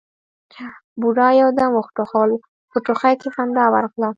بوډا يو دم وټوخل، په ټوخي کې خندا ورغله: